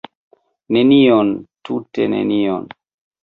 Nenion, tute nenion!